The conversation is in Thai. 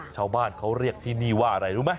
ชาวบ้านเขาเรียกที่นี่ว่าอะไรรู้ไหม